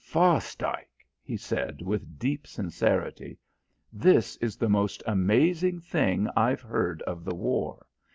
"Fosdike," he said with deep sincerity, "this is the most amazing thing I've heard of the war.